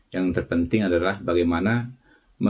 yang terpenting adalah bagaimana mengembangkan